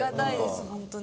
本当に。